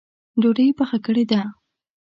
ډوډۍ یې پخه کړې ده؟